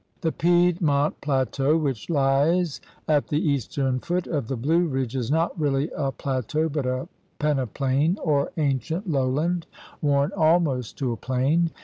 The Piedmont plateau, which lies at the eastern foot of the Blue Ridge, is not really a plateau but a peneplain or ancient lowland worn 62 THE RED MAN'S CONTINENT almost to a plain.